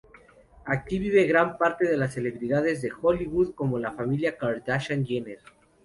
Aquí vive gran parte de las celebridades de "Hollywood", como la familia Kardashian-Jenner.